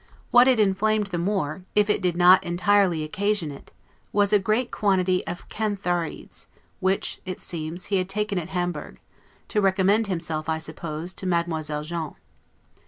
What inflamed it the more (if it did not entirely occasion it) was a great quantity of cantharides, which, it seems, he had taken at Hamburgh, to recommend himself, I suppose, to Mademoiselle John.